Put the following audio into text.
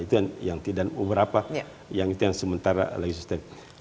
itu yang tidak beberapa yang itu yang sementara lagi sustain